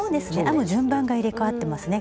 編む順番が入れかわってますね。